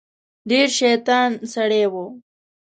ډیر شیطان سړی و.